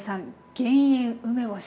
減塩梅干し